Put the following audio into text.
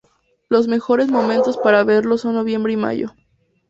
Los mejores momentos para verlos son noviembre y mayo.